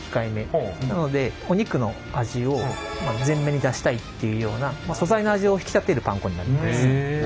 なのでお肉の味を全面に出したいっていうような素材の味を引き立てるパン粉になってます。